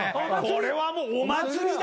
これはもうお祭りだ。